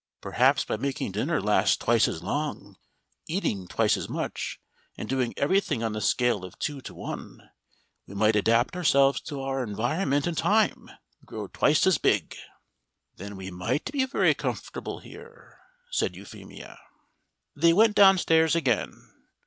Perhaps by making dinner last twice as long, eating twice as much, and doing everything on the scale of two to one, we might adapt ourselves to our environment in time, grow twice as big." "Then we might be very comfortable here," said Euphemia. They went downstairs again.